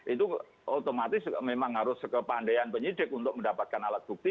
itu otomatis memang harus kepandean penyidik untuk mendapatkan alat bukti